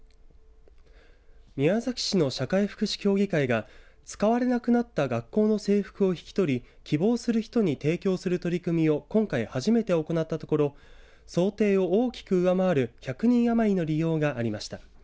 宮崎市の社会福祉協議会が使われなくなった学校の制服を引き取り希望する人に提供する取り組みを今回初めて行ったところ想定を大きく上回る１００人余りの利用がありました。